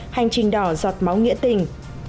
hành trình đỏ giọt máu nghĩa tình